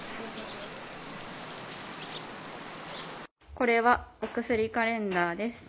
これはお薬カレンダーです。